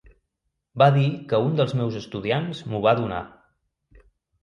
Va dir que un dels meus estudiants m'ho va donar.